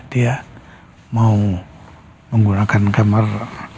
dia mau menggunakan kamar